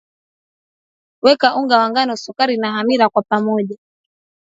weka unga wa ngano sukari na hamira kwa pamoja